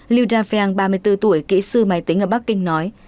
liu dafeang ba mươi bốn tuổi kỹ sư máy tính ở bắc kinh nói